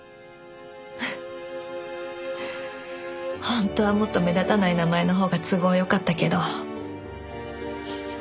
本当はもっと目立たない名前のほうが都合良かったけど。